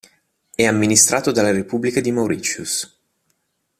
È amministrato dalla Repubblica di Mauritius.